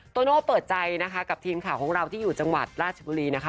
โน่เปิดใจนะคะกับทีมข่าวของเราที่อยู่จังหวัดราชบุรีนะคะ